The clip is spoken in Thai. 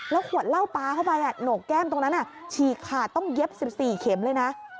แล้วขวดเหล้าปาเข้าไปอ่ะโหนกแก้มตรงนั้นอ่ะฉีกค่ะต้องเย็บ๑๔เข็มเลยนะ